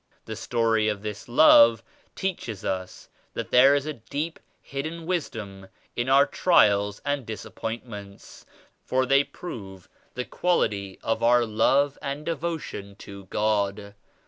The story of this love teaches us that there is a deep hidden wisdom in our trials and disappointments for they prove the quality of our love and devotion to God.